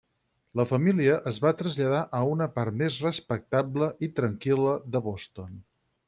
La família es va traslladar a una part més respectable i tranquil·la de Boston.